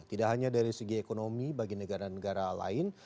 tidak hanya dari segi ekonomi bagi negara negara lain